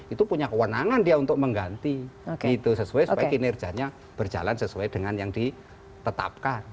itu punya kewenangan dia untuk mengganti sesuai kinerjanya berjalan sesuai dengan yang di tetapkan